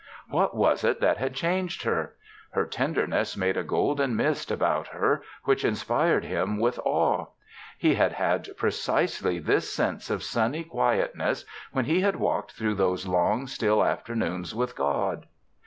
What was it that had changed her? Her tenderness made a golden mist about her which inspired him with awe. He had had precisely this sense of sunny quietness when he had walked through those long, still afternoons with God.